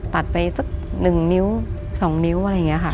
ตัดไปสัก๑นิ้ว๒นิ้วอะไรอย่างนี้ค่ะ